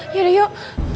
iya dong yuk